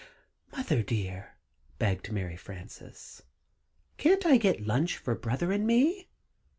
"Mother, dear," begged Mary Frances, "can't I get lunch for Brother and me?